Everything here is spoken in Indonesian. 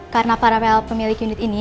karena pak rafael pemilik unit ini